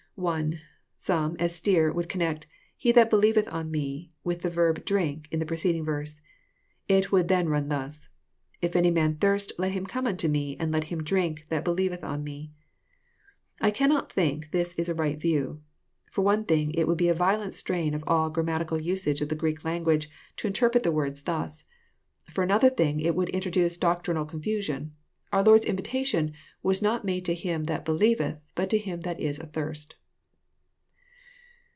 (1) Some, as Stier, would connect "He that believeth on me " with the verb "drink" in the preceding verse. It would then run thus,—" If any man thirst let him come unto me, and let him drink that believeth on me." — I cannot think this is a right view. For one thing, it would be a violent strain of all grammatical usage of the Greeklanguage, to interpret the words 46 EXPOSITOEY THOUGHT?. thns. For another thing, It wonld introdace doctrinal con* fusion. Oar Lord's invitation was not made to him " that be lieveth," but to him that is athirst."